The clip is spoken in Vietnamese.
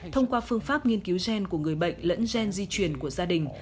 thông qua phương pháp nghiên cứu gen của người bệnh lẫn gen di truyền của gia đình